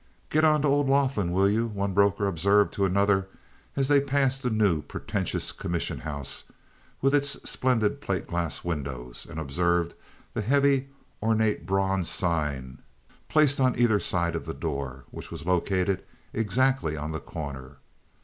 "Get onto old Laughlin, will you?" one broker observed to another, as they passed the new, pretentious commission house with its splendid plate glass windows, and observed the heavy, ornate bronze sign placed on either side of the door, which was located exactly on the corner.